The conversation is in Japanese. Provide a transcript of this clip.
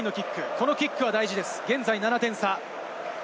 このキックは大事です、現在７点差。